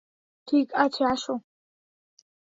ঠিক আছে, আসো।